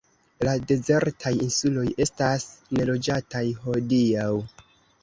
La dezertaj insuloj estas neloĝataj hodiaŭ.